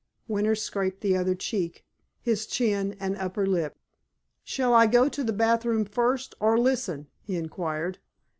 Winter scraped the other cheek, his chin, and upper lip. "Shall I go to the bathroom first, or listen?" he inquired.